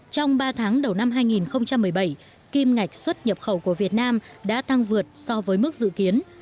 trong ba tháng đầu năm hai nghìn một mươi bảy kim ngạch xuất nhập khẩu của việt nam đã tăng vượt so với mức dự kiến